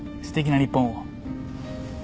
すてきな日本を。